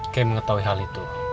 kay mengetahui hal itu